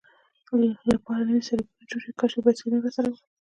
لپاره نوي سړکونه جوړ کړي، کاشکې بایسکلونه راسره وای.